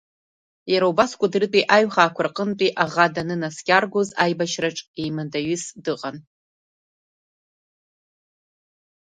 Иара убас Кәыдрытәи аҩхаақәа рҟынтәи аӷа данынаскьаргоз аибашьраҿ еимадаҩыс дыҟан.